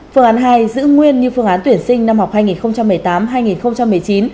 phương án hai giữ nguyên như phương án tuyển sinh năm học hai nghìn một mươi tám hai nghìn một mươi chín